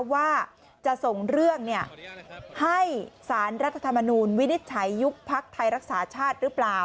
ว่าจะส่งเรื่องให้สารรัฐธรรมนูลวินิจฉัยยุบพักไทยรักษาชาติหรือเปล่า